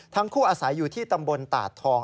ทั้งคู่อาศัยอยู่ที่ตำบลตาดทอง